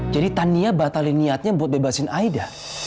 jadi tania batalin niatnya buat bebasin aida